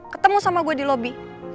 ketemu sama gue di lobi